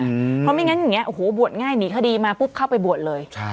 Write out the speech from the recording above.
เพราะไม่งั้นอย่างนี้โอ้โหบวชง่ายหนีคดีมาปุ๊บเข้าไปบวชเลย